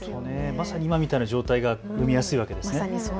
まさに今みたいな状態が生みやすいわけですね。